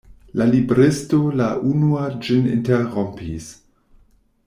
La libristo la unua ĝin interrompis.